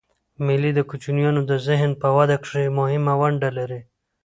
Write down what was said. مېلې د کوچنيانو د ذهن په وده کښي مهمه ونډه لري.